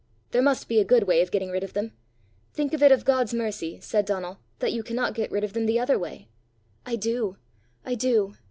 "There must be a good way of getting rid of them! Think it of God's mercy," said Donal, "that you cannot get rid of them the other way." "I do; I do!"